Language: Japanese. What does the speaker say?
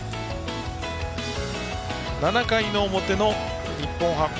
７回の表の日本ハム。